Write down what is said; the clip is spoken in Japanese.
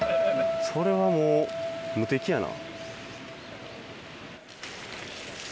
それはもう無敵やな。